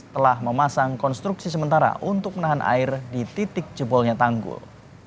telah memasang konstruksi sementara untuk menahan air di titik jebolnya tanggul